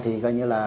thì coi như là